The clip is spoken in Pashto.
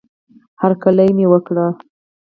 هرکلی مې وکړه